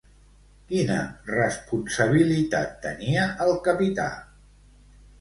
Quina responsabilitat tenia el capità?